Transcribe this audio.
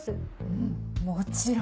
うんもちろん。